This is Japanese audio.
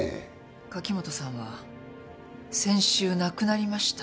柿本さんは先週亡くなりました。